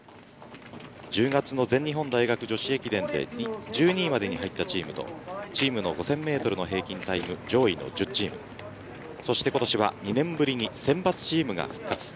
１０月の全日本大学女子駅伝で１２位までに入ったチームとチームの５０００メートルの平均タイム上位の１０チームそして今年は２年ぶりに選抜チームが復活。